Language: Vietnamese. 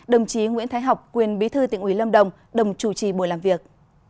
đồng chí nguyễn thái học quyền bí thư tỉnh ủy lâm đồng đồng chủ trì buổi làm việc